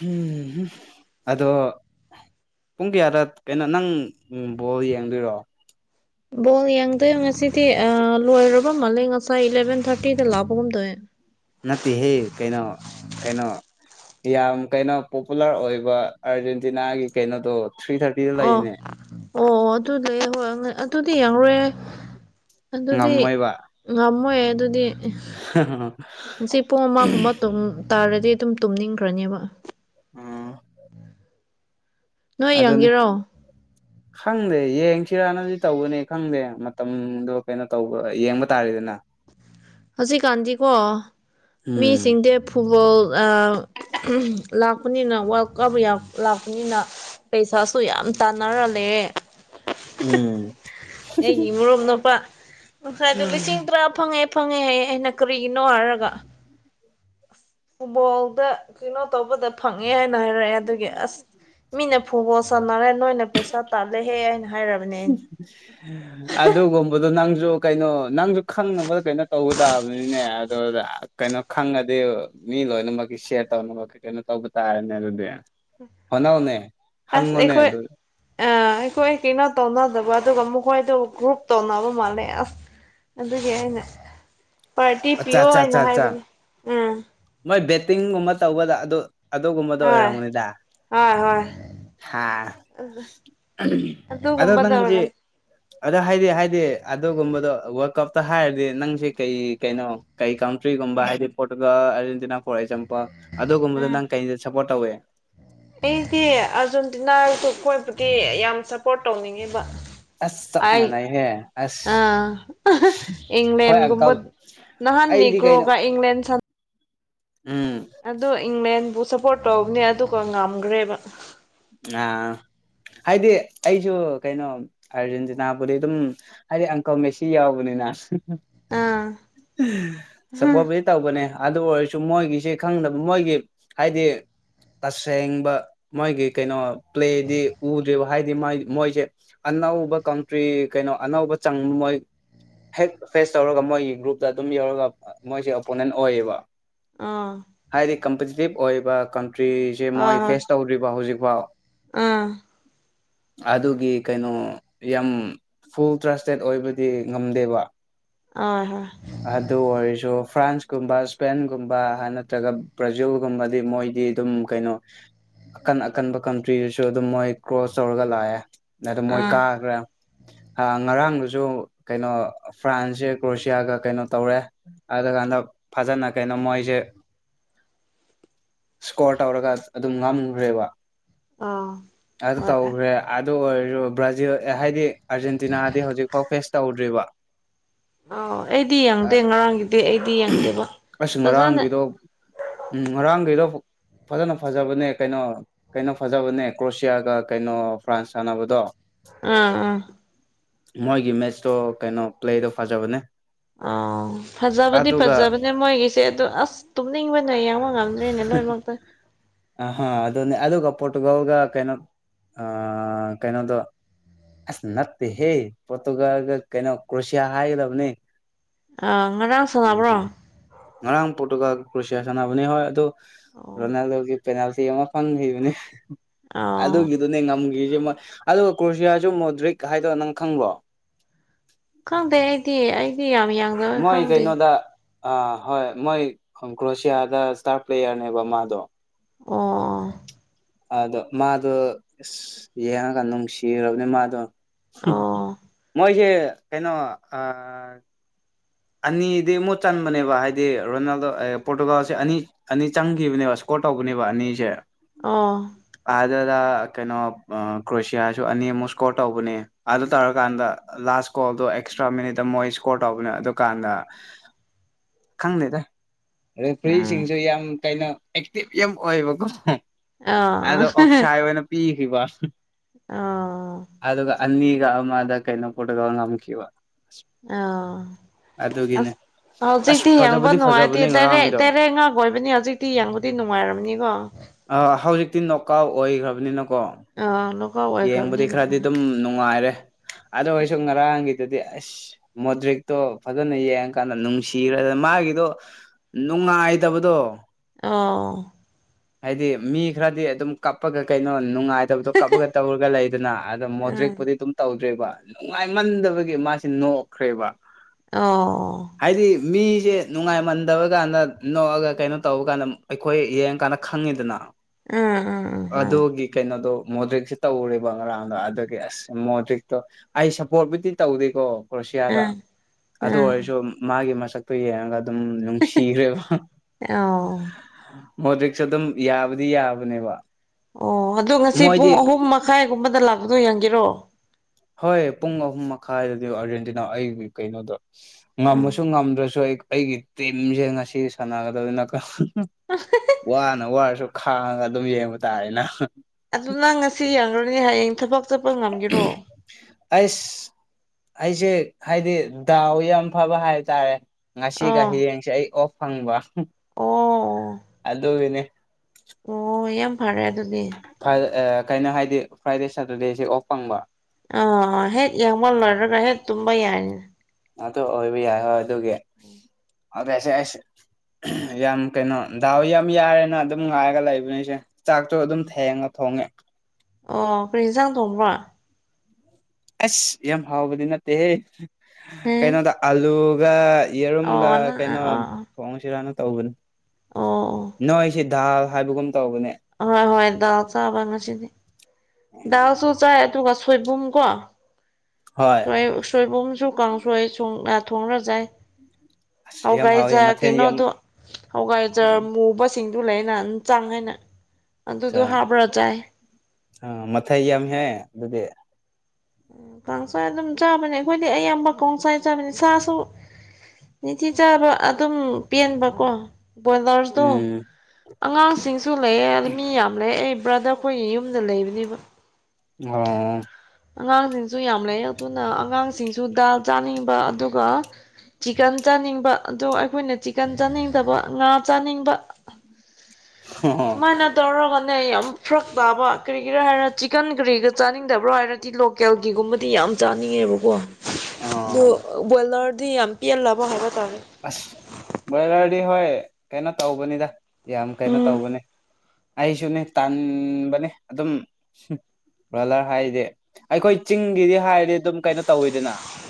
ꯎꯝ ꯑꯗꯣ ꯄꯨꯡ ꯀꯌꯥꯗ ꯀꯩꯅꯣ ꯅꯪ ꯕꯣꯜ ꯌꯦꯡꯗꯣꯏꯔꯣ ꯕꯣꯜ ꯌꯦꯡꯗꯣꯏ ꯉꯁꯤꯗꯤ ꯂꯣꯏꯔꯕ ꯃꯥꯜꯂꯦ ꯉꯁꯥꯏ ꯏꯂꯚꯦꯟ ꯊꯥꯔꯇꯤꯗ ꯂꯥꯛꯄ ꯒꯨꯝꯇꯧꯋꯦ ꯅꯠꯇꯦꯍꯦ ꯀꯩꯅꯣ ꯀꯩꯅꯣ ꯌꯥꯝ ꯀꯩꯅꯣ ꯄꯣꯄꯨꯂꯔ ꯑꯣꯏꯕ ꯑꯥꯔꯖꯦꯟꯇꯤꯅꯥꯒꯤ ꯀꯩꯅꯣꯗꯣ ꯊ꯭ꯔꯤ ꯊꯥꯔꯇꯤꯗ ꯑꯣ ꯂꯩꯌꯦꯅꯦ ꯑꯣ ꯑꯗꯨꯗꯤ ꯍꯣꯏ ꯑꯗꯨꯗꯤ ꯌꯦꯡꯔꯨꯔꯦ ꯑꯗꯨꯗꯤ ꯉꯝꯃꯣꯏꯕ ꯉꯝꯃꯣꯏ ꯑꯗꯨꯗꯤ ꯉꯁꯤ ꯄꯨꯡ ꯑꯃꯒꯨꯝꯕ ꯇꯥꯔꯗꯤ ꯑꯗꯨꯝ ꯇꯨꯝꯅꯤꯡꯈ꯭ꯔꯅꯦꯕ ꯑꯝ ꯅꯣꯏ ꯌꯦꯡꯒꯦꯔꯣ ꯈꯪꯗꯦ ꯌꯦꯡꯁꯤꯔꯥꯅꯗꯤ ꯇꯧꯕꯅꯤ ꯈꯪꯗꯦ ꯃꯇꯝꯗꯣ ꯀꯩꯅꯣ ꯇꯧꯕ ꯌꯦꯡꯕ ꯇꯥꯔꯦꯗꯅ ꯍꯧꯖꯤꯛꯀꯥꯟꯗꯤꯀꯣ ꯎꯝ ꯃꯤꯁꯤꯡꯗꯦ ꯐꯨꯠꯕꯣꯜ ꯎꯝ ꯂꯥꯛꯄꯅꯤꯅ ꯋꯥꯔꯜ ꯀꯞ ꯂꯥꯛꯄꯅꯤꯅ ꯄꯩꯁꯥꯁꯨ ꯌꯥꯝ ꯇꯥꯟꯅꯔ ꯂꯩꯔꯦ ꯎꯝ ꯑꯩꯒꯤ ꯏꯃꯨꯞ ꯅꯨꯄꯥ ꯉꯁꯥꯏꯗꯣ ꯂꯤꯁꯤꯡ ꯇꯔꯥ ꯐꯪ ꯐꯪꯉꯦ ꯐꯪꯉꯦ ꯍꯌꯦ ꯑꯩꯅ ꯀꯔꯤꯒꯤꯅꯣ ꯍꯥꯏꯔꯒ ꯑꯁ ꯐꯨꯠꯕꯣꯜꯗ ꯀꯩꯅꯣ ꯇꯧꯕꯗ ꯐꯪꯉꯦ ꯍꯥꯏꯅ ꯍꯥꯏꯔꯛꯑꯦ ꯑꯗꯨꯒꯤ ꯑꯁ ꯃꯤꯅ ꯐꯨꯠꯕꯣꯜ ꯁꯟꯅꯔꯦ ꯅꯣꯏꯅ ꯄꯩꯁꯥ ꯇꯥꯜꯂꯦꯍꯦ ꯍꯥꯏꯅ ꯍꯥꯏꯔꯕꯅꯦ ꯑꯩꯅ ꯑꯗꯨꯒꯨꯝꯕꯗꯣ ꯅꯪꯁꯨ ꯀꯩꯅꯣ ꯅꯪꯁꯨ ꯈꯪꯅꯕ ꯀꯩꯅꯣ ꯇꯧꯕ ꯇꯥꯕꯅꯤꯅꯦ ꯑꯗꯨ ꯀꯩꯅꯣ ꯈꯪꯉꯗꯤ ꯃꯤ ꯂꯣꯏꯅꯃꯛꯀꯤ ꯁꯦꯌꯥꯔ ꯇꯧꯅꯃꯛꯀꯤ ꯀꯩꯅꯣ ꯇꯧꯕ ꯇꯥꯔꯅꯦ ꯑꯗꯨꯗꯤ ꯍꯣꯠꯅꯥꯎꯅꯦ ꯍꯪꯉꯣꯅꯦ ꯑꯗꯨ ꯑꯥ ꯑꯩꯈꯣꯏ ꯀꯩꯅꯣ ꯇꯧꯅꯗꯕ ꯑꯗꯨꯒ ꯃꯈꯣꯏꯗꯣ ꯒ꯭ꯔꯨꯞ ꯇꯧꯅꯕ ꯃꯥꯜꯂꯦ ꯑꯁ ꯑꯗꯨꯒꯤ ꯑꯩꯅ ꯄꯥꯔꯇꯤ ꯑꯠꯆꯥ ꯄꯤꯌꯣ ꯑꯠꯆꯥ ꯍꯥꯏꯅ ꯑꯠꯆꯥ ꯑꯠꯆꯥ ꯍꯥꯏꯕꯅꯦ ꯎꯝ ꯃꯣꯏ ꯕꯦꯠꯇꯤꯡꯒꯨꯝꯕ ꯇꯧꯕꯗ ꯑꯗꯨ ꯑꯗꯨꯒꯨꯝꯕꯗꯣ ꯍꯣꯏ ꯑꯣꯏꯔꯝꯃꯅꯤꯗ ꯍꯣꯏ ꯍꯣꯏ ꯍꯥ ꯑꯗꯣ ꯑꯗꯨꯒꯨꯝꯕꯗ ꯅꯪꯖꯦ ꯑꯣꯏꯔꯝ ꯑꯗꯣ ꯍꯥꯏꯗꯤ ꯍꯥꯏꯗꯤ ꯑꯗꯨꯒꯨꯝꯕꯗꯣ ꯋꯥꯔꯜꯗ ꯀꯞꯇ ꯍꯥꯏꯔꯗꯤ ꯅꯪꯁꯦ ꯀꯩ ꯀꯩꯅꯣ ꯀꯩ ꯀꯥꯎꯟꯇ꯭ꯔꯤꯒꯨꯝꯕ ꯍꯥꯏꯗꯤ ꯄꯣꯇꯨꯒ ꯑꯔꯖꯦꯟꯇꯤꯅꯥ ꯐꯣꯔ ꯑꯦꯛꯖꯥꯝꯄꯜ ꯑꯗꯨꯒꯨꯝꯕꯗꯣ ꯎꯝ ꯅꯪ ꯀꯩꯗ ꯁꯞꯄꯣꯔꯠ ꯇꯧꯋꯦ ꯑꯩꯗꯤ ꯑꯥꯔꯖꯦꯟꯇꯤꯅꯥ ꯀꯣꯏꯕꯒꯤ ꯌꯥꯝ ꯁꯞꯄꯣꯔꯠ ꯇꯧꯅꯤꯡꯉꯦꯕ ꯑꯁ ꯆꯞ ꯑꯩ ꯃꯥꯟꯅꯩꯍꯦ ꯑꯁ ꯑꯥ ꯍꯣꯏ ꯏꯪꯂꯪꯂꯦꯟ ꯀꯨꯝꯕ ꯑꯪꯀꯜ ꯅꯍꯥꯟꯅꯤ ꯑꯩꯗꯤ ꯀꯩꯅꯣ ꯅꯦꯀ꯭ꯔꯣꯒ ꯏꯪꯂꯦꯟ ꯁꯅ ꯎꯝ ꯑꯗꯣ ꯏꯪꯂꯦꯟꯕꯨ ꯁꯞꯄꯣꯔꯠ ꯇꯧꯕꯅꯦ ꯑꯗꯨ ꯉꯝꯈ꯭ꯔꯦꯕ ꯑꯥ ꯍꯥꯏꯗꯤ ꯑꯩꯁꯨ ꯀꯩꯅꯣ ꯑꯥꯔꯖꯦꯟꯇꯤꯅꯥꯕꯨꯗꯤ ꯑꯗꯨꯝ ꯍꯥꯏꯗꯤ ꯑꯪꯀ ꯃꯦꯁꯤ ꯌꯥꯎꯕꯅꯤꯅ ꯑꯥ ꯁꯥꯄꫭꯠꯄꯨꯗꯤ ꯇꯧꯕꯅ‌ꯦ ꯑꯗꯨ ꯑꯣꯏꯔꯁꯨ ꯃꯣꯏꯒꯤꯁꯦ ꯈꯪꯗꯕ ꯃꯣꯏꯒꯤ ꯍꯥꯏꯗꯤ ꯇꯁꯦꯡꯕ ꯃꯣꯏꯒꯤ ꯀꯩꯅꯣ ꯄ꯭ꯂꯦꯗꯤ ꯎꯗ꯭ꯔꯤꯕ ꯍꯥꯏꯗꯤ ꯃꯣꯏꯁꯦ ꯑꯅꯧꯕ ꯀꯟꯇ꯭ꯔꯤ ꯀꯩꯅꯣ ꯑꯅꯧꯕ ꯆꯪ ꯃꯣꯏ ꯍꯦꯛ ꯐꯦꯁ ꯇꯧꯔꯒ ꯃꯣꯏꯒꯤ ꯒ꯭ꯔꯨꯞꯇ ꯑꯗꯨꯝ ꯌꯧꯔꯒ ꯃꯣꯏꯁꯦ ꯑꯣꯄꯣꯅꯦꯟ ꯑꯣꯏꯌꯦꯕ ꯑꯥ ꯍꯣꯏ ꯍꯥꯏꯗꯤ ꯀꯝꯄꯤꯇꯤꯇꯤꯞ ꯑꯣꯏꯕ ꯀꯟꯇ꯭ꯔꯤꯁꯦ ꯃꯣꯏ ꯍꯣꯏ ꯐꯦꯁ ꯇꯧꯗ꯭ꯔꯤꯕ ꯍꯧꯖꯤꯛꯐꯥꯎ ꯑꯥ ꯑꯗꯨꯒꯤ ꯀꯩꯅꯣ ꯌꯥꯝ ꯐꯨꯜ ꯇ꯭ꯔꯁꯇꯦꯠ ꯑꯣꯏꯕꯗꯤ ꯉꯝꯗꯦꯕ ꯑ ꯍ ꯑꯗꯨ ꯑꯣꯏꯔꯁꯨ ꯐ꯭ꯔꯥꯟꯁꯀꯨꯝꯕ ꯏꯁꯄꯦꯟꯒꯨꯝꯕ ꯅꯠꯇ꯭ꯔꯒ ꯕ꯭ꯔꯥꯖꯤꯜꯒꯨꯝꯕꯗꯤ ꯃꯣꯏ ꯗꯤ ꯑꯗꯨꯝ ꯀꯩꯅꯣ ꯑꯀꯟ ꯑꯀꯟꯕ ꯀꯟꯇ꯭ꯔꯤꯗꯁꯨ ꯑꯗꯨꯝ ꯃꯣꯏ ꯀ꯭ꯔꯣꯁ ꯇꯧꯔꯒ ꯂꯥꯛꯑꯦ ꯅꯠꯇ‌ꯦ ꯃꯣꯏ ꯑꯥ ꯀꯥꯒ꯭ꯔꯦ ꯍ ꯉꯔꯥꯡꯗꯨꯁꯨ ꯀꯩꯅꯣ ꯐ꯭ꯔꯥꯟꯁꯁ‌ꯦ ꯀ꯭ꯔꯣꯁꯤꯌꯥꯒ ꯀꯩꯅꯣ ꯇꯧꯔꯦ ꯑꯗꯨ ꯀꯥꯟꯗ ꯐꯖꯅ ꯀꯩꯅꯣ ꯃꯣꯏꯖ‌ꯦ ꯏꯁꯀꯣꯔ ꯇꯧꯔꯒ ꯑꯗꯨꯝ ꯉꯝꯒ꯭ꯔꯦꯕ ꯑꯥ ꯑꯗꯨ ꯍꯣꯏ ꯑꯥ ꯇꯧꯒꯔ‌ꯦ ꯑꯗꯨ ꯑꯣꯏꯔꯖꯨ ꯕ꯭ꯔꯥꯖꯤꯜ ꯍꯥꯏꯗꯤ ꯑꯥꯔꯖꯦꯟꯇꯤꯅꯥꯗꯤ ꯍꯧꯖꯤꯛ ꯐꯥꯎ ꯐꯦꯁ ꯇꯧꯗ꯭ꯔꯤꯕ ꯑ ꯑꯩꯗꯤ ꯌꯦꯡꯗꯦ ꯉꯔꯥꯡꯒꯤꯗꯤ ꯑꯩꯗꯤ ꯌꯦꯡꯗꯦꯕ ꯑꯁ ꯐꯖꯅ ꯉꯔꯥꯡꯒꯤꯗꯣ ꯎꯝ ꯉꯔꯥꯡꯒꯤꯗꯣ ꯐꯖꯅ ꯐꯖꯕꯅꯦ ꯀꯩꯅꯣ ꯀꯩꯅꯣ ꯐꯖꯕꯅꯦ ꯀ꯭ꯔꯣꯁꯤꯌꯥꯒ ꯀꯩꯅꯣ ꯐ꯭ꯔꯥꯟꯁ ꯁꯥꯟꯅꯕꯗꯣ ꯑꯥ ꯑꯥ ꯃꯣꯏꯒꯤ ꯃꯦꯠꯁꯇꯣ ꯀꯩꯅꯣ ꯄ꯭ꯂꯦꯗꯣ ꯐꯖꯕꯅꯦ ꯑꯥꯎ ꯐꯖꯕꯗꯤ ꯑꯗꯨꯒ ꯐꯖꯕꯅꯤ ꯃꯣꯏꯒꯤꯁꯦ ꯑꯗꫭ ꯑꯁ ꯇꯨꯝꯅꯤꯡꯕꯅ ꯑꯗꯨꯅ ꯌ‌ꯦꯡꯕ ꯉꯝꯗ꯭ꯔꯦꯅꯦ ꯂꯣꯏꯅꯃꯛꯇ ꯍꯥ ꯑꯗꯨꯅꯦ ꯑꯗꯨꯒ ꯄꯣꯔꯇꯨꯒꯥꯜꯒ ꯀꯩꯅꯣ ꯑ ꯀꯩꯅꯣꯗꯣ ꯑꯁ ꯅꯠꯇ‌ꯦꯍꯦ ꯄꯣꯇꯨꯒꯜꯒ ꯀꯩꯅꯣ ꯀ꯭ꯔꯣꯁꯤꯌꯥ ꯍꯥꯏꯒꯗꯕꯅꯤ ꯑ ꯉꫪꯥꯡ ꯁꯟꯅꯕ꯭ꯔꯣ ꯉꯔꯥꯡ ꯄꯣꯔꯇꯨꯒꯥꯜ ꯀ꯭ꯔꯣꯁꯤꯌꯥ ꯁꯥꯟꯅꯕꯅꯤ ꯍꯣꯏ ꯑꯗꯨ ꯑꯣ ꯔꯣꯅꯥꯜꯗꯣꯒꯤ ꯄꯦꯅꯥꯜꯇꯤ ꯑꯃ ꯐꯪꯒꯤꯕꯅꯤ ꯑꯥ ꯑꯗꯨꯒꯤꯗꯨꯅꯦ ꯉꯝꯒꯤ ꯒꫪꯤꯖ‌ꯦ ꯃꫭꯏ ꯑꯗꯨ ꯀ꯭ꯔꯨꯁꯤꯌꯥꯁꯨ ꯃꯣꯗ꯭ꯔꯤꯛ ꯍꯥꯏꯗꫭ ꯅꯪ ꯈꯪꫪꫭ ꯈꯪꯗꯦ ꯑꯩꯗꯤ ꯑꯩꯗꯤ ꯌꯥꯝ ꯌꯥꯡꯕ ꯃꯣꯏ ꯈꯪꯗꯦ ꯀꯩꯅꯣꯗ ꯑꯥ ꯍꯣꯏ ꯃꯣꯏ ꯀ꯭ꯔꯣꯁꯤꯌꯥꯗ ꯏꯁꯇꯥꯔ ꯄ꯭ꯂꯦꯌꯔꯅꯦꯕ ꯃꯥꯗꯣ ꯑꯣ ꯑꯗꯣ ꯃꯥꯗꯣ ꯑꯁ ꯌꯦꯡꯉꯒ ꯅꯨꯡꯁꯤꯔꯕꯅꯦ ꯃꯥꯗꯣ ꯑꯣ ꯃꯣꯏꯖ‌ꯦ ꯀꯩꯅꯣ ꯑ ꯑꯅꯤꯗꯤ ꯃꯨꯠ ꯆꯟꯕꯅꯦꯕ ꯍꯥꯏꯗꯤ ꯔꯣꯅꯥꯜꯗꯣ ꯑꯥꯏ ꯄꯣꯔꯇꯨꯒꯥꯜꯁꯦ ꯑꯅꯤ ꯑꯅꯤ ꯆꯪꯒꯤꯕꯅꯦꯕ ꯁꯥꯄꫭꯠ ꯇꯧꯕꯅꯦꯕ ꯑꯅꯤꯁꯦ ꯑ ꯑꯗꯨꯗ ꯀꯩꯅꯣ ꯀ꯭ꯔꯣꯁꯤꯌꯥꯁꯨ ꯑꯅꯤꯃꯨꯛ ꯁꯀꯣꯔ ꯇꯧꯕꯅꯦ ꯑꯗꯨ ꯇꯧꯔꯀꯥꯟꯗ ꯂꯥꯁ ꯂꯥꯁ ꯀꯣꯜꯗꯣ ꯑꯦꯛꯁꯇ‍꯭ꯔꯥ ꯃꯤꯅꯤꯠꯇ ꯃꯣꯏ ꯁꯀꫭꫪ ꯇꯧꯕꯅꯦ ꯑꯗꯨ ꯗꯨꯀꯥꯟꯗ ꯈꯪꯗꯦꯗ ꯎꯝ ꫪ‌ꯦꯐꯤꯔꯁꯤꯡꯁꯨ ꯌꯥꯝ ꯀꯩꯅ ꯑꯦꯛꯇꯤꯚ ꯌꯥꯝ ꯑꯣꯏꯕꯀꯣ ꯑꯥ ꯑꯗꯣ ꯑꯣꯞꯁꯥꯏ ꯑꯣꯏꯅ ꯄꯤꯒꯤꯕ ꯑꯥ ꯑꯅꯤꯒ ꯑꯃꯥꯗ ꯀꯩꯏꯅꫭ ꯄꫭꯇꯨꯒꯟꯅ ꯉꯝꯈꯤꯕ ꯑꯥꯎ ꯑꯗꯨꯒꯤꯅꯤ ꯍꯧꯖꯤꯛꯇꯤ ꯌꯦꯡꯕ ꯅꯨꯡꯉꯥꯏꯇꯦ ꯇꯔꯦ ꯇꯔꯦ ꯉꯥꯛ ꯑꯣꯏꯕꯅꯤ ꯍꯧꯖꯤꯛꯇꯤ ꯌꯦꯡꯕꯗꯤ ꯅꯨꯡꯉꯥꯏꯔꯝꯅꯤꯀꯣ ꯑ ꯍꯧꯖꯤꯛꯇꯤ ꯅꯣꯀꯥꯎ ꯑꯣꯏꯈ꯭ꯔꯕꯅꯤꯅ ꯑ ꯌꯦꯡꯕꯗꯤ ꯈꯔꯗꯤ ꯑꯗꯨꯝ ꯅꯨꯡꯉꯥꯏꯔꯦ ꯑꯗꯣ ꯑꯩꯣꯏꯁꯨ ꯉꯔꯥꯡꯒꯤ ꯑꯗꯨꯗꯤ ꯑꯁ ꯃꯣꯗ꯭ꯔꯤꯛꯇꯣ ꯐꯖꯅ ꯌꯦꯡꯉꯀꯥꯟꯗ ꯅꯨꯡꯁꯤꯈ꯭ꯔꯦ ꯃꯥꯒꯤꯗꯣ ꯅꯨꯡꯉꯥꯏꯇꯕꯗꯣ ꯑꯣ ꯍꯥꯏꯗꯤ ꯃꯤ ꯈꯔꯗꯤ ꯑꯗꯨꯝ ꯀꯞꯄꯒ ꯀꯩꯅꯣ ꯅꯨꯡꯉꯥꯏꯇꯕꯗꯣ ꯀꯞꯄꯒ ꯇꯧꯔꯒ ꯂꯩꯗꯅ ꯑ ꯎꯝ ꯃꯣꯗ꯭ꯔꯤꯛꯄꯨꯗꯤ ꯑꯗꯨꯝ ꯇꯧ ꯭ꯔꯦꯕ ꯅꯨꯡꯉꯥꯏꯃꯟꯗꯕꯒꯤ ꯃꯥꯁꯤꯦ ꯅꯣꯛꯈ꯭ꯔꯦꯕ ꯑꯣ ꯍꯥꯏꯗꯤ ꯃꯤꯁꯦ ꯅꯨꯡꯉꯥꯏꯃꯟꯗꯕ ꯀꯥꯟꯗ ꯅꯣꯛꯑꯒ ꯀꯩꯅꯣ ꯇꯧꯕ ꯀꯥꯟꯗ ꯑꯩꯈꯣꯏ ꯌꯦꯡꯀꯥꯟꯗ ꯈꯪꯉꯤꯗꯅ ꯎꯝ ꯎꯝ ꯎꯝ ꯑꯗꯒꯤ ꯀꯩꯅꯗꯣ ꯃꯣꯗ꯭ꯔꯤꯛꯁꯦ ꯇꯧꯔꯦꯕ ꯉꯔꯥꯡꯗꯣ ꯑꯗꯨꯒꯤ ꯑꯁ ꯃꯣꯗ꯭ꯔꯤꯛꯇꯣ ꯑꯩ ꯁꯞꯄꯣꯔꯠꯕꯨꯨꯗꯤ ꯇꯧꯗꯦꯀꯣ ꯀ꯭ꯔꯣꯁꯤꯌꯥꯗ ꯎꯝ ꯎꯝ ꯑꯗꯨ ꯎꯝ ꯑꯣꯏꯔꯁꯨ ꯃꯥꯒꯤ ꯃꯁꯛꯇꯨ ꯌꯦꯡꯉꯒ ꯑꯗꯨꯝ ꯅꯨꯡꯁꯤꯈ꯭ꯔꯦꯕ ꯑꯣ ꯃꯣ ꯔꯤꯛꯁ ꯑꯗꯨꯝ ꯌꯥꯕꯗꯤ ꯌꯥꯕꯅꯦꯕ ꯑꯣ ꯑꯗꯣ ꯉꯁꯤ ꯄꯨꯡ ꯃꯣꯏꯗꯤ ꯑꯍꯨꯝ ꯃꯈꯥꯏꯒꯨꯝꯕꯗ ꯂꯥꯛꯄꯗꯣ ꯌꯦꯟꯒꯦꯔꯣ ꯍꯣꯏ ꯄꯨꯡ ꯑꯍꯨꯝ ꯃꯈꯥꯏꯗꯗꯤ ꯑꯥꯔꯖꯦꯟꯇꯤꯅꯥ ꯑꯩꯒꯤ ꯀꯩꯅꯣꯗ ꯎꯝ ꯉꯃꯁꯨ ꯉꯝꯗ꯭ꯔꯁꯨ ꯑꯩ ꯑꯩꯒꯤ ꯇꯤꯝꯁꯦ ꯉꯁꯤ ꯁꯥꯟꯅꯒꯗꯕꯅꯤꯅ ꯋꯥꯅ ꯋꯥꯔꯁꯨ ꯈꯥꯡꯉ ꯑꯗꯨꯝ ꯌꯦꯡꯕ ꯇꯥꯔꯦꯅ ꯑꯗꯨ ꯅꯪ ꯉꯁꯤ ꯌꯥꯡꯈ꯭ꯔꯅꯦ ꯍꯌꯦꯡ ꯊꯕꯛ ꯆꯠꯄ ꯉꯝꯒꯔꯣ ꯑꯩꯁ ꯑꯩꯁꯦ ꯍꯥꯏꯗꯤ ꯗꯥꯎ ꯌꯥꯝ ꯐꯕ ꯍꯥꯏꯇꯥꯔꯦ ꯉꯁꯤꯒ ꯑꯥ ꯍꯌꯦꯡꯁꯦ ꯑꯩ ꯑꯣꯐ ꯐꯪꯕ ꯑꯣ ꯑꯣ ꯑꯗꯨꯗꯒꯅꯦ ꯑꯣ ꯌꯥꯝ ꯐꯔꯦ ꯑꯗꯨꯗꯤ ꯈꯩꯅꯣ ꯍꯥꯏꯗꯤ ꯐ꯭ꯔꯥꯏꯗꯦ ꯁꯇꯔꯗꯦꯁꯦ ꯑꯣꯐ ꯐꯪꯕ ꯑꯥ ꯍꯦꯛ ꯌꯥꯡꯕ ꯂꯣꯏꯔꯒ ꯍꯦꯛ ꯇꯨꯝꯕ ꯌꯥꯏꯅꯤꯅ ꯑꯗꯨ ꯑꯣꯏꯕ ꯌꯥꯏ ꯍꯣꯏ ꯑꯗꯨꯒꯤ ꯑꯗꯨꯗꯁꯦ ꯑꯩꯁ ꯌꯥꯝ ꯀꯩꯅꯣ ꯗꯥꯎ ꯌꯥꯝ ꯌꯥꯔꯦꯅ ꯑꯗꯨꯝ ꯉꯥꯏꯔꯒ ꯂꯩꯕꯅꯤꯁꯦ ꯆꯥꯛꯇꯣ ꯑꯗꯨꯝ ꯊꯦꯡꯉ ꯊꯣꯡꯉꯦ ꯑꯣ ꯀꯔꯤꯖꯪꯗꯣꯡꯕ꯭ꯔꯣ ꯑꯁ ꯌꯥꯝ ꯍꯥꯎꯕꯗꯤ ꯅꯠꯇꯦꯍꯦ ꯍꯝ ꯀꯩꯅꯣꯗ ꯑꯥꯂꯨꯒ ꯌꯦꯔꯨꯝꯒ ꯑꯣ ꯅꯪ ꯀꯩꯅꯣ ꯑꯥ ꯑꯣ ꯊꯣꯡꯁꯤꯔꯅ ꯇꯧꯕꯅꯤ ꯑꯣ ꯅꯣꯏ ꯁꯤꯗꯤ ꯗꯥꯜ ꯍꯥꯏꯕꯒꯨꯝ ꯇꯧꯕꯅꯦ ꯍꯣꯏ ꯍꯣꯏ ꯗꯜ ꯆꯥ ꯉꯁꯤꯗꯤ ꯗꯜ ꯆꯧ ꯆꯥ ꯁꯣꯏꯕꯨꯝ ꯀꯣ ꯍꯣꯏ ꯣꯏ ꯁꯣꯏꯕꯨꯝꯁꯨ ꯀꯥꯡꯁꯣꯏ ꯁꯨꯡꯅ ꯊꯣꯡꯅꯖꯩ ꯑꯁ ꯍ ꯌꯥꯝ ꯀꯥꯏ ꯍꯥꯎꯋꯦ ꯆ ꯃꯊꯦꯜ ꯀꯩꯅꯣ ꯌꯥꯝ ꯇ ꯍꯧ ꯀꯥꯏ ꯆꯁ ꯁꯤꯡꯗꯨ ꯂꯩꯅ ꯑꯗꯨ ꯆꯥꯡ ꯍꯥꯏꯅ ꯑꯗꯨꯗꯣ ꯍꯥꯞꯕ꯭ꯔꯥ ꯆꯥꯏ ꯑ ꯃꯊꯥꯏꯝ ꯍꯦ ꯑꯗꯨꯗꯤ ꯎꯝ ꯀꯥꯡꯁꯥꯏ ꯑꯗꯨꯝ ꯆꯥꯕꯅꯤ ꯑꯩꯈꯣꯏꯗꯤ ꯑꯌꯥꯝꯕ ꯀꯥꯡꯁꯥꯏ ꯆꯥꯕꯅꯤ ꯁꯥꯁꯨ ꯅꯤꯡꯊꯤ ꯆꯥꯕ ꯑꯗꯨꯝ ꯄꯦꯟꯕꯀꯣ ꯕꯣꯏꯂꯔꯁꯇꯣ ꯎꯝ ꯑꯉꯥꯡꯁꯤꯡꯁꯨ ꯂꯩꯌꯦ ꯃꯤ ꯌꯥꯝ ꯂꯩ ꯑꯩ ꯕ꯭ꯔꯗꯔ ꯑꯩꯈꯣꯏꯒꯤ ꯌꯨꯝꯗ ꯂꯩꯕꯅꯦꯕ ꯑꯣ ꯑꯉꯥꯡꯁꯤꯡꯁꯨ ꯌꯥꯝ ꯂꯩ ꯑꯗꯨꯅ ꯑꯉꯥꯡꯁꯤꯡꯁꯨ ꯗꯥꯜ ꯆꯥꯅꯤꯡꯕ ꯑꯗꯨꯒ ꯆꯤꯛꯀꯟ ꯆꯥꯅꯤꯡꯕ ꯑꯣ ꯑꯩꯈꯣꯏꯅ ꯆꯤꯛꯀꯟ ꯆꯥꯅꯤꯡꯗꯕ ꯉꯥ ꯆꯥꯅꯤꯡꯕ ꯃꯥꯥꯏꯅ ꯇꯔ ꯀ ꯌꯥꯝ ꯐꯔꯛ ꯇꯥꯕ ꯀꯔꯤꯒꯤꯔꯥ ꯍꯥꯏꯔ ꯆꯤꯛꯀꯟ ꯀꯔꯤꯒꯔ ꯆꯥꯅꯤꯡꯗꯕ꯭ꯔꯣ ꯍꯥꯏꯔ ꯤ ꯂꯣꯀꯦꯜꯒꯤꯒꯨꯝꯕꯗꯤ ꯌꯥꯝ ꯆꯥꯅꯤꯡꯉꯦꯕꯀꯣ ꯑꯥ ꯣꯏꯂ ꯑꯗꯨ ꯑꯝ ꯄꯤꯌꯥꯜ ꯂꯕ ꯍꯥꯏꯕ ꯇꯥꯔꯦ ꯑꯁ ꯕꯣꯏꯂꯔꯗꯤ ꯍꯣꯏ ꯀꯩꯅꯣ ꯇꯧꯕꯅꯤꯗ ꯌꯥꯝ ꯀꯩꯅꯣ ꯇꯧꯕꯅꯦ ꯑꯩꯁꯨꯅꯦ ꯇꯥꯟꯕꯅꯦ ꯑꯗꯨꯝ ꯕ꯭ꯔꯣꯂꯔ ꯍꯥꯏꯗꯤ ꯑꯩꯈꯣꯏ ꯆꯤꯡꯒꯤꯗꯤ ꯍꯥꯏ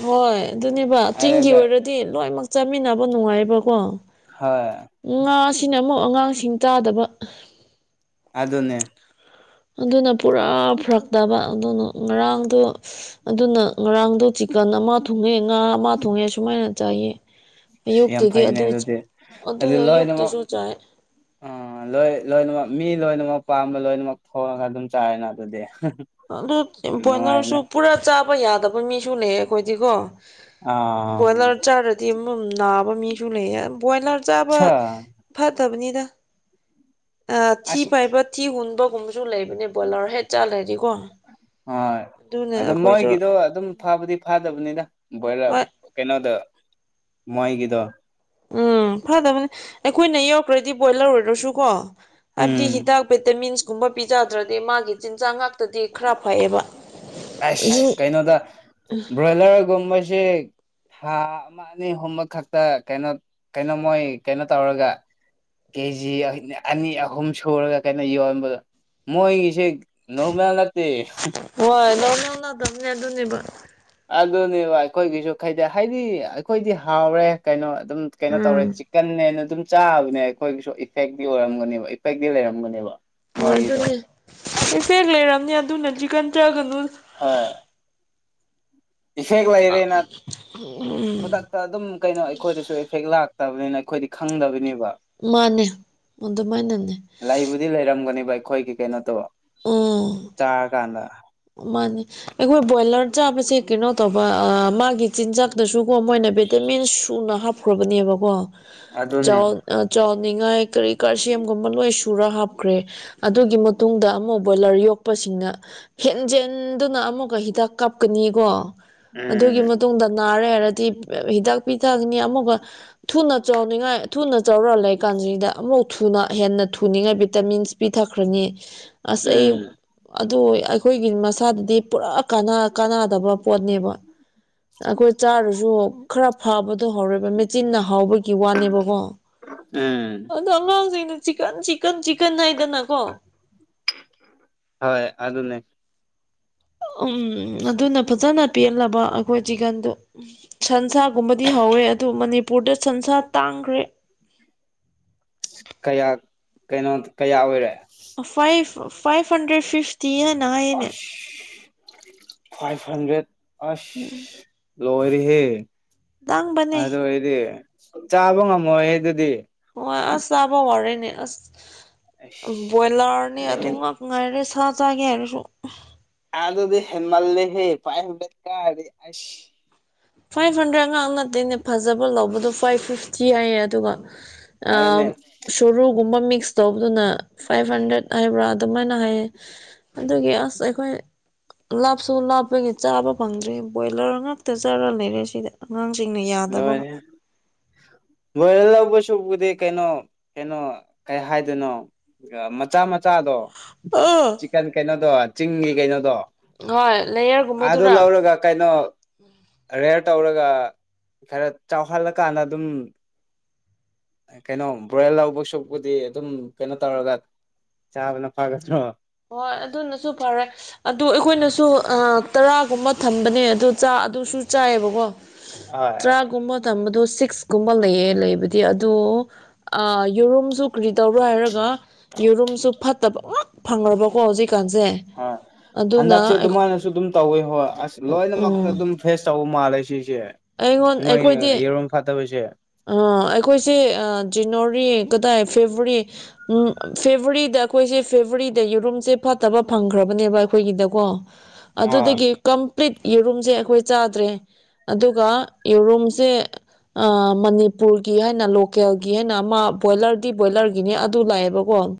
ꯍꯣꯏ ꯑꯗꯨꯅꯦꯕ ꯆꯤꯡꯒꯤ ꯑꯗꯨꯗ ꯑꯣꯏꯔꯗꯤ ꯂꯣꯏꯃꯛ ꯆꯥꯃꯤꯟꯅꯕ ꯅꯨꯡꯉꯥꯏꯌꯦꯕꯀꯣ ꯍꯣꯏ ꯉꯥꯁꯤꯅ ꯑꯃꯨꯛ ꯑꯉꯥꯡꯁꯤꯡ ꯆꯥꯗꯕ ꯑꯗꯨꯅꯦ ꯑꯗꯨꯅ ꯄꯨꯔꯥ ꯐꯔꯛꯇꯕ ꯑꯗꯨꯅ ꯉꯔꯥꯡꯗꯣ ꯑꯗꯨꯅ ꯉꯔꯥꯡꯗꯣ ꯆꯤꯛꯀꯟ ꯑꯃ ꯊꯣꯡꯉꯦ ꯉꯥ ꯑꯃ ꯊꯣꯡꯉꯦ ꯁꯨꯃꯥꯏꯅ ꯆꯥꯏꯌꯦ ꯌꯥꯝ ꯑꯌꯨꯛꯇꯨꯗꯤ ꯐꯩꯅꯦ ꯑꯗꯨ ꯑꯗꯨꯗꯤ ꯑꯗꯨ ꯂꯣꯏꯅꯃꯛ ꯑꯌꯨꯛꯇꯁꯨ ꯆꯥꯏ ꯑ ꯂꯣꯏ ꯂꯣꯏꯅꯃꯛ ꯃꯤ ꯂꯣꯏ ꯂꯣꯏꯅꯃꯛ ꯄꯥꯝꯕ ꯂꯣꯏꯅꯃꯛ ꯊꯣꯡꯉꯒ ꯑꯗꯨꯝ ꯆꯥꯏꯔꯦꯅ ꯑꯗꯨꯗꯤ ꯑꯗꯨ ꯕꯣꯏꯅꯔꯁꯨ ꯅꯨꯡꯉꯥꯏꯕꯅꯦ ꯄꯨꯔꯥ ꯆꯥꯕ ꯌꯥꯗꯕ ꯃꯤꯁꯨ ꯂꯩ ꯑꯩꯈꯣꯏꯗꯤꯀꯣ ꯑꯥ ꯕꯣꯏꯂꯔ ꯆꯥꯔꯗꯤ ꯑꯃ ꯅꯥꯕ ꯃꯤꯁꯨ ꯂꯩꯌꯦ ꯕꯣꯏꯂꯔ ꯆꯥꯕ ꯁꯥ ꯐꯠ ꯇꯕꯅꯤꯗ ꯑ ꯊꯤ ꯑꯁ ꯄꯥꯏꯕ ꯊꯤ ꯍꯨ ꯕꯒꯨꯝꯕꯁꯨ ꯂꯩꯕꯅꯦ ꯕꯣꯏꯂꯔ ꯍꯦꯛ ꯆꯥꯜꯂꯗꯤꯀꯣ ꯍꯣꯏ ꯑꯗ ꯃꯣꯏꯒꯤꯗꯣ ꯑꯗꯨꯝ ꯐꯕꯨꯗꯤ ꯐꯥꯗꯕꯅꯤꯗ ꯕꯣꯏꯂꯔ ꯍꯣꯏ ꯀꯩꯅꯣꯗ ꯃꯣꯏꯒꯤꯗꯣ ꯎꯝ ꯐꯗꯕꯅꯦ ꯑꯩꯈꯣꯏꯅ ꯌꯧꯔꯛꯇ꯭ꯔꯗꯤ ꯕꯣꯏꯂꯔ ꯑꯣꯏꯗ꯭ꯔꯁꯨ ꯀꯣ ꯍꯥꯏꯕꯗꯤ ꯎꯝ ꯍꯤꯗꯥꯛ ꯚꯤꯇꯃꯤꯟꯁ ꯀꯨꯝꯕ ꯄꯤꯖꯗ꯭ꯔꯗꯤ ꯃꯥꯒꯤ ꯆꯤꯟꯖꯥꯛ ꯉꯥꯛꯇꯗꯤ ꯈꯔ ꯐꯩꯌꯦꯕ ꯑꯁ ꯀꯩꯅꯣꯗ ꯕ꯭ꯔꯣꯏꯂꯔꯒꯨꯝꯕꯁꯦ ꯊꯥ ꯑꯃ ꯑꯅꯤ ꯑꯨꯝꯕ ꯈꯛꯇ ꯀꯩꯅꯣ ꯀꯩꯅꯣ ꯃꯣꯏ ꯀꯩꯅꯣ ꯇꯧꯔꯒ ꯀꯦꯖꯤ ꯑꯅꯤ ꯑꯍꯨꯝ ꯁꯨꯔꯒ ꯀꯩꯅꯣ ꯌꯣꯟꯕꯗꯣ ꯃꯣꯏꯒꯤꯁꯦ ꯅꯣꯔꯃꯦꯜ ꯂꯇꯦ ꯑꯣꯂ [unintelligible] ꯑꯣꯂꯗꯝꯅꯦ ꯑꯗꯨꯅꯦꯕ ꯑꯗꯨꯅꯦꯕ ꯑꯩꯈꯣꯏꯒꯤꯁꯨ ꯈꯩꯗꯩ ꯍꯥꯏꯗꯤ ꯑꯩꯈꯣꯏꯗꯤ ꯍꯥꯎꯔꯦ ꯀꯩꯅꯣ ꯑꯗꯨꯝ ꯀꯩꯅꯣ ꯇꯧꯔꯦ ꯎꯝ ꯆꯤꯛꯀꯟꯅꯦꯅ ꯑꯗꯨꯝ ꯆꯥꯕꯅꯦ ꯑꯩꯈꯣꯏꯒꯤꯁꯨ ꯏꯐꯦꯛꯇꯤ ꯑꯣꯏꯔꯝꯒꯅꯦꯕ ꯏꯐꯦꯛꯇꯤ ꯂꯩꯔꯝꯒꯅꯦꯕ ꯍꯣꯏ ꯃꯣꯏꯒꯤꯗꯣ ꯑꯗꯨꯅꯦ ꯑꯦ ꯐꯦꯛ ꯂꯩꯔꯝꯅꯤ ꯑꯗꯨꯅ ꯆꯤꯛ ꯀꯟ ꯍꯣꯏ ꯏꯐꯦꯛ ꯂꯩꯔꯦꯅ ꯈꯨꯗꯛꯇ ꯑꯗꯨꯝ ꯀꯩꯅꯣ ꯑꯩꯈꯣꯏꯗꯁꯨ ꯏꯐꯦꯛ ꯂꯥꯛ ꯐꯠꯇꯕꯅꯤꯅ ꯑꯩꯈꯣꯏꯗꯤ ꯈꯪꯗꯕꯅꯦ ꯃꯥꯅꯦ ꯑꯗꯨꯃꯥꯏꯅꯅꯦ ꯂꯩꯕꯨꯗꯤ ꯂꯩꯔꯝꯒꯅꯤꯕ ꯑꯩꯈꯣꯏꯒꯤ ꯀꯩꯅꯣꯗꯣ ꯎꯝ ꯆꯥꯔꯀꯥꯟꯗ ꯃꯥꯅꯦ ꯑꯩꯈꯣꯏ ꯕꯣꯏꯂꯔ ꯆꯥꯕꯁꯦ ꯀꯩꯅꯣ ꯇꯧꯕ ꯃꯥꯒꯤ ꯆꯤꯟꯖꯥꯛꯇꯁꯨ ꯀꯣ ꯃꯣꯏꯅ ꯚꯦꯇꯃꯤꯟ ꯁꯨꯅ ꯍꯥꯞꯈ꯭ꯔꯕꯅꯦꯕꯀꯣ ꯑꯗꯨꯅꯦ ꯆꯥꯎ ꯆꯧꯅꯤꯡꯉ ꯀꯔꯤ ꯀꯔꯁꯤ ꯌꯥꯝꯦꯝꯒꯨꯝꯃꯜ ꯂ ꯆꯨꯔ ꯍꯥꯞꯈ꯭ꯔꯦ ꯑꯗꯨꯒꯤ ꯃꯇꯨꯡꯗ ꯑꯃꯨꯛ ꯕꯣꯏꯂꯔ ꯌꯣꯛꯄꯁꯤꯡꯅ ꯍꯦꯟꯖꯦꯟꯗꯨꯅ ꯑꯃꯨꯛꯒ ꯍꯤꯗꯥꯛ ꯀꯥꯞꯀꯅꯤꯀꯣ ꯑꯗꯨꯒꯤ ꯎꯝ ꯃꯇꯨꯡꯗ ꯅꯥꯔꯦ ꯍꯥꯏꯔꯗꯤ ꯍꯤꯗꯥꯛ ꯄꯤꯊꯛꯅꯤ ꯑꯃꯨꯛꯒ ꯊꯨꯅ ꯆꯥꯎꯅꯤꯡꯉꯥꯏ ꯊꯨꯅ ꯆꯥꯎꯔꯛ ꯂꯩꯀꯥꯟꯗ ꯁꯤꯗ ꯑꯃꯨ ꯊꯨꯅ ꯍꯦꯟꯅ ꯊꯨꯅꯤꯡꯉꯥꯏ ꯚꯤꯇꯥꯃꯤꯟꯁ ꯄꯤꯊꯈ꯭ꯔꯅꯤ ꯑꯁ ꯑꯩ ꯎꯝ ꯑꯗꯨ ꯑꯩꯈꯣꯏꯒꯤ ꯃꯁꯥꯗꯗꯤ ꯄꯨꯔꯥ ꯀꯥꯟꯅ ꯀꯥꯟꯅꯗꯕ ꯄꯣꯠꯅꯦꯕ ꯑꯩꯈꯣꯏ ꯆꯥꯔꯁꯨ ꯈꯔ ꯐꯥꯕꯗꯣ ꯍꯧꯔꯣꯏꯕ ꯃꯦꯆꯤꯟꯅ ꯍꯥꯎꯕꯒꯤ ꯋꯥꯅꯦꯕꯀꯣ ꯎꯝ ꯑꯗꯣ ꯑꯉꯥꯡꯁꯤꯡꯩꯅ ꯆꯤꯛꯀꯟ ꯆꯤꯛꯀꯟ ꯆꯤꯛꯀꯟ ꯍꯥꯏꯗꯅꯀꯣ ꯍꯣꯏ ꯑꯗꯨꯅꯦ ꯎꯝ ꯑꯗꯨꯅ ꯐꯖꯅ ꯄꯦꯜꯂꯕ ꯑꯩꯈꯣꯏ ꯆꯤꯛꯀꯟꯗꯣ ꯁꯟꯁꯥꯒꯨꯝꯕꯗꯤ ꯍꯧꯧꯋꯦ ꯑꯗꯨ ꯃꯅꯤꯄꯨꯔꯗ ꯁꯟꯁꯥ ꯇꯥꯡꯈ꯭ꯔꯦ ꯀꯌꯥ ꯀꯩꯅꯣ ꯀꯌꯥ ꯑꯣꯏꯔꯦ ꯐꯥꯏꯕ ꯍꯟꯗ꯭ꯔꯦꯠ ꯐꯤꯐꯇꯤꯅꯏꯅꯦ ꯑꯁ ꯐꯥꯏꯚ ꯍꯟꯗ꯭ꯔꯦꯠ ꯑꯁ ꯂꯣꯔꯤꯍꯦ ꯇꯥꯡꯕꯅꯦ ꯑꯗꯨ ꯑꯩꯗꯤ ꯆꯥꯕ ꯉꯝꯃꯣꯏꯍ ꯑꯗꯨꯗꯤ ꯑꯣ ꯑꯁ ꯆꯕ ꯍꯔꯦꯅꯦ ꯑꯁ ꯕꯣꯏꯂꯥꯔꯅꯦ ꯑꯗꯨ ꯑꯁ ꯉꯥꯛ ꯉꯥꯏꯔꯦ ꯁꯥ ꯆꯥꯒꯦ ꯍꯥꯏꯔꯁꯨ ꯑꯗꯗꯤ ꯍꯦꯟꯃꯜ ꯂꯩꯦ ꯍꯦ ꯄꯥꯏ ꯍꯦꯗ ꯀꯥꯁ ꯐꯥꯏꯚ ꯍꯟꯗ꯭ꯔꯦꯗ ꯉꯍꯥꯛ ꯅꯠꯇꯦꯅꯦ ꯐꯖꯕ ꯂꯧꯕꯗꯣ ꯐꯥꯏꯚ ꯐꯤꯐꯇꯤ ꯍꯥꯏꯌꯦ ꯑꯗꯨꯒ ꯑ ꯑꯗꯨꯅꯦ ꯁꯔꯨ ꯝꯕꯥ ꯃꯛꯁ ꯇꯧꯕꯗꯨꯅ ꯐꯥꯏꯚ ꯍꯟꯗ꯭ꯔꯦꯠ ꯍꯥꯏꯕ꯭ꯔꯥ ꯑꯗꯨꯃꯥꯏꯅ ꯍꯥꯏꯌꯦ ꯑꯗꯨꯒꯤ ꯑꯁ ꯑꯩꯈꯣꯏ ꯂꯥꯞꯁꯨ ꯂꯥꯞꯄꯒꯤ ꯆꯥꯕ ꯐꯪꯗ꯭ꯔꯦ ꯕꯣꯏꯂꯔ ꯉꯥꯛꯇ ꯆꯥꯔꯒ ꯂꯩꯔꯦ ꯁꯤꯗ ꯑꯉꯥꯡꯁꯤꯡꯅ ꯌꯥꯗꯕꯒ ꯁꯂꯣꯅꯤ ꯁꯕꯨꯗꯤ ꯀꯩꯅꯣ ꯀꯩꯅꯣ ꯀꯩ ꯍꯥꯏꯗꯅꯣ ꯃꯆꯥ ꯃ ꯃꯆꯥꯗꯣ ꯑꯥ ꯆꯤꯛꯀꯟ ꯀꯩꯅꯣꯗꯣ ꯆꯤꯡꯒꯤ ꯀꯩꯅꯣꯗꯣ ꯍꯣꯏ ꯑꯗ ꯂꯧ ꯂꯦꯌꯔꯒꯨꯝꯕꯗꯨꯔꯥ ꯂꯧꯔꯒ ꯀꯩꯅꯩꯅꯣ ꯔꯦꯔ ꯇꯧꯔꯒ ꯑꯗꯨꯒ ꯈꯔ ꯆꯥꯎꯍꯜꯂꯀꯥꯟꯗ ꯑꯗꯨꯝ ꯀꯩꯅꯣ ꯕ꯭ꯔꯣꯏꯜ ꯂꯧꯕ ꯁꯨꯞꯄꯨꯗꯤ ꯑꯗꯨꯝ ꯀꯩꯅꯣ ꯇꯧꯔꯒ ꯆꯥꯕꯅ ꯐꯒꯁ꯭ꯔꯣ ꯍꯣꯏ ꯑꯗꯨꯅꯁꯨ ꯐꯔꯦ ꯑꯗꯨ ꯑꯩꯈꯣꯏꯅꯁꯨ ꯇꯔꯥꯒꯨꯝꯕ ꯊꯝꯕꯅꯦ ꯑꯗꯣ ꯆꯥ ꯑꯗꯨꯁꯨ ꯆꯥꯏꯌꯦꯕꯀꯣ ꯍꯣꯏ ꯇꯔꯥꯒꯨꯝꯕ ꯊꯝꯕꯗꯣ ꯁꯤꯛꯁꯀꯨꯝꯕ ꯂꯩꯌꯦ ꯂꯩꯕꯗꯤ ꯑꯗ ꯌꯦꯔꯨꯝꯁꯨ ꯀꯔꯤꯗꯧꯔꯣ ꯍꯥꯏꯔꯒ ꯌꯦꯔꯨꯝꯁꯨ ꯐꯠꯇꯕ ꯐꯪꯔꯔꯕ ꯀꯣ ꯍꯧꯖꯤꯛ ꯍꯣꯏ ꯍꯟꯗꯛꯁꯦ ꯑꯗꯨꯃꯥꯏꯅꯁꯨ ꯑꯗꯨꯝ ꯇꯧꯋꯤ ꯍꯣꯏ ꯑꯁ ꯂꯣꯏꯅꯃꯛꯇ ꯎꯝ ꯑꯗꯨꯝ ꯐ꯭ꯔꯦꯁ ꯇꯧꯕ ꯃꯥꯜꯂꯦ ꯁꯤꯁꯦ ꯑꯩꯉꯣꯟ ꯃꯣꯏ ꯑꯩꯈꯣꯏꯗꯤ ꯌꯦꯔꯣꯝ ꯐꯥꯠꯇꯕꯁꯦ ꯑ ꯑꯩꯈꯣꯏꯁꯦ ꯖꯤꯅꯣꯔꯤ ꯀꯥꯏ ꯐꯦꯕꯋꯥꯔꯤ ꯎ ꯐꯦꯕꯋꯥꯔꯤꯗ ꯑꯩꯈꯣꯏꯁꯦ ꯐꯦꯕꯋꯥꯔꯤꯗ ꯌꯦꯨꯔꯨꯝꯁꯦ ꯐꯠꯇꯕ ꯐꯪꯈ꯭ꯔꯕ ꯑꯩꯈꯣꯏꯒꯤꯗꯣ ꯑꯗꯨ ꯑ ꯄ꯭ꯂꯤꯠ ꯌꯦꯔꯨꯝꯁꯦ ꯑꯩꯈꯣꯏ ꯆꯥꯗ꯭ꯔꯦ ꯑꯗꯨꯒ ꯌꯦꯔꯨꯝꯁꯦ ꯃꯅꯤꯄꯨꯔꯒꯤ ꯍꯥꯏꯅ ꯂꯣꯀꯦꯜꯒꯤ ꯍꯥꯏꯅ ꯑꯃ ꯕꯣꯏꯂꯔꯗꯤ ꯕꯣꯏꯂꯔꯒꯤꯅꯤ ꯑꯗꯨ ꯂꯥꯛꯑꯦꯕꯀꯣ